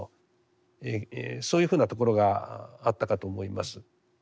そういうふうなところがあったかと思います。